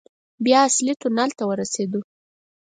بيا اصلي تونل ته ورسېدو.